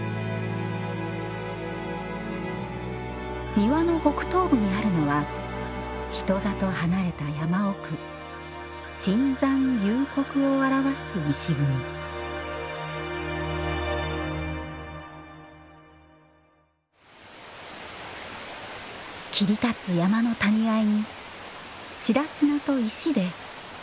庭の北東部にあるのは人里離れた山奥深山幽谷を表す石組み切り立つ山の谷あいに白砂と石で渓流の滝が表現されています